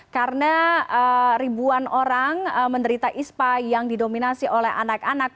karena ribuan orang menderita ispa yang didominasi oleh anak anak